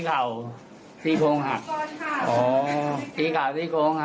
เขาก็